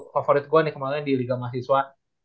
favorit gue nih kemarin di liga mahasiswa